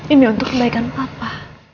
ini untuk kebaikan papa